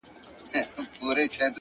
هڅاند انسان پلمه نه لټوي,